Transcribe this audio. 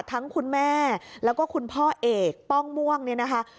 คุณแม่แล้วก็คุณพ่อเอกป้องม่วงเนี่ยนะคะ